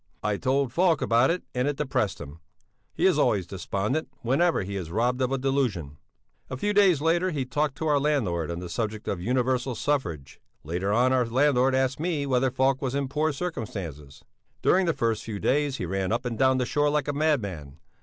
I told Falk about it and it depressed him; he is always despondent, whenever he is robbed of a delusion. A few days later he talked to our landlord on the subject of universal suffrage; later on our landlord asked me whether Falk was in poor circumstances. During the first few days he ran up and down the shore like a madman.